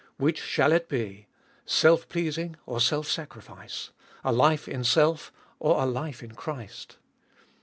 Which shall it be — self pleasing or self sacrifice — a life in self or a life in Christ.